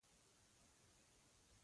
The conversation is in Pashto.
څرخه کښیږدي